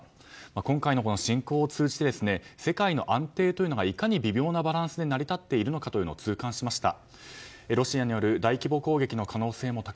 今回の侵攻を通じて世界の安定というのがいかに微妙なバランスが成り立っているのかを痛感しました。